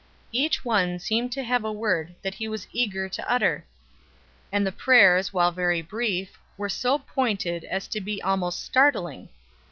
Each one seemed to have a word that he was eager to utter; and the prayers, while very brief, were so pointed as to be almost startling.